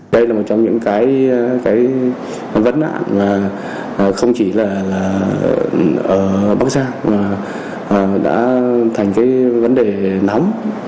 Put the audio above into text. đây là một trong những cái vấn nạn mà không chỉ là ở bắc giang mà đã thành cái vấn đề nóng